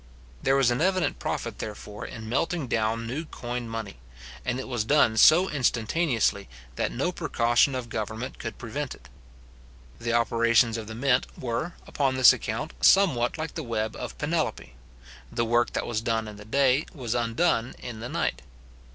There was an evident profit, therefore, in melting down new coined money; and it was done so instantaneously, that no precaution of government could prevent it. The operations of the mint were, upon this account, somewhat like the web of Penelope; the work that was done in the day was undone in the night.